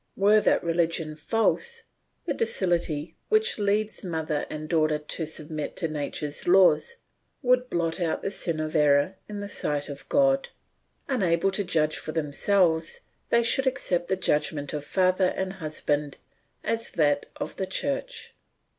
Were that religion false, the docility which leads mother and daughter to submit to nature's laws would blot out the sin of error in the sight of God. Unable to judge for themselves they should accept the judgment of father and husband as that of the church.